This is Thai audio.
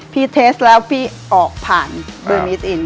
พี่เทสแล้วพี่ออกผ่านด้วยมีส์อิน